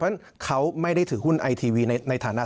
เพราะฉะนั้นเขาไม่ได้ถือหุ้นไอทีวีในฐานะสับสินส่วนตัว